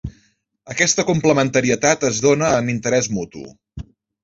Aquesta complementarietat es dóna en interès mutu.